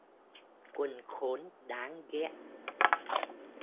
quân khốn đáng ghét